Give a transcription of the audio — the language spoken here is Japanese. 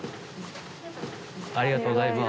ありがとうございます。